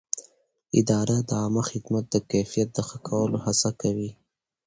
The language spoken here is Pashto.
اداره د عامه خدمت د کیفیت د ښه کولو هڅه کوي.